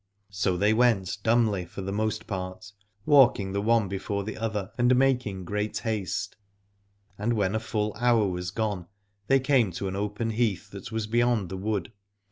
So they went dumbly for the most part, walking the one before the other and making great haste, and when a full hour 45 Aladore was gone they came to an open heath that was beyond the wood.